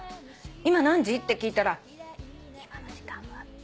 今何時？って聞いたら「今の時間は」